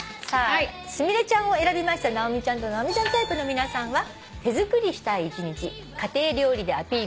すみれちゃんを選びました直美ちゃんと直美ちゃんタイプの皆さんは。